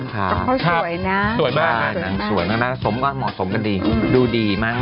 เขาสวยนะสวยมากนางสวยมากนะเหมาะสมกันดีดูดีมาก